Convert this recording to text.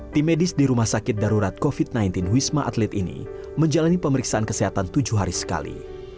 tim medis di rumah sakit darurat covid sembilan belas wisma atlet ini menjalani pemeriksaan kesehatan tujuh hari sekali